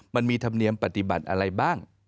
มันมีธรรมเนียมปฏิบัติอะไรบ้าง